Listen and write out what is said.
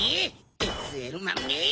ＳＬマンめ！